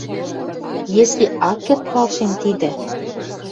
Если ак керд палшен тидӹ, —